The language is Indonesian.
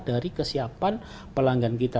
dari kesiapan pelanggan kita